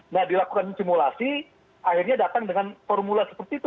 nah dilakukan simulasi akhirnya datang dengan formula seperti itu